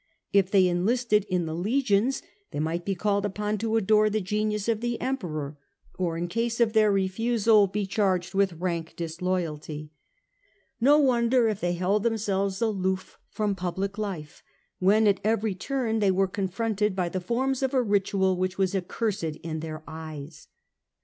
If they enlisted in the legions, they might be called upon to adore the Genius of the Emperor, or in case of their refusal be CH. VI. The Empire and Christianity. 133 charged with rank disloyalty. No wonder if they held themselves aloof from public life, when at every turn they were confronted by the forms of a ritual which was accursed in their eyes.